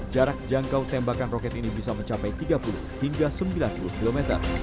jarak jangkau tembakan roket ini bisa mencapai tiga puluh hingga sembilan puluh km